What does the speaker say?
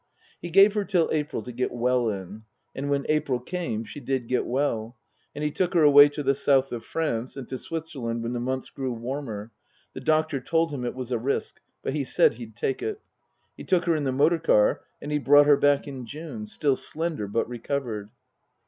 He gave her till April to get well in ; and when April came she did get well. And he took her away to the South of France, and to Switzerland when the months grew warmer (the doctor told him it was a risk, but he said he'd take it) ; he took her in the motor car, and he brought her back in June, still slender but recovered.